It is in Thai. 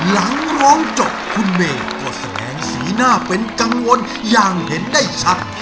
แสดงสีหน้าเป็นกังวลอย่างเห็นได้ชัด